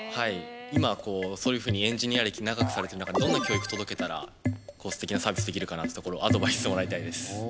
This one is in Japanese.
今そういうふうにエンジニア歴長くされてる中でどんな教育を届けたら素敵なサービスできるかなってところをアドバイスもらいたいです。